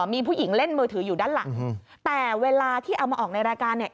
มีผู้หญิงเล่นมือถืออยู่ด้านหลังแต่เวลาที่เอามาออกในรายการเนี่ย